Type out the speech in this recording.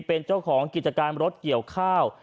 เป็นเจ้าของกิจการรถเกี่ยวข้าว